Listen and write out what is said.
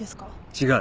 違う。